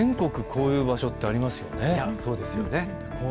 こういう場所ってありそうですよね。